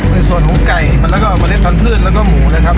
ในส่วนของไก่มันแล้วก็เมล็ดพันธุ์แล้วก็หมูนะครับ